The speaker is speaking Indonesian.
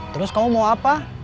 terus kamu mau apa